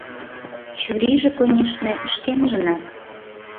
Чурийже, конешне, шкенжынак.